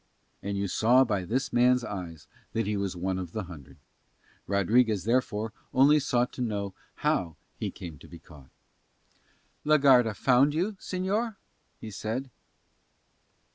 And you saw by this man's eyes that he was one of the hundred. Rodriguez therefore only sought to know how he came to be caught. "La Garda found you, señor?" he said.